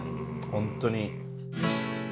ほんとに。